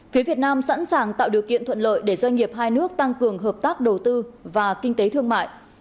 phía việt nam sẵn sàng tạo điều kiện thuận lợi để doanh nghiệp hai nước tăng cường hợp tác đầu tư và kinh tế thương mại